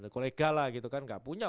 kolega lah gitu kan nggak punya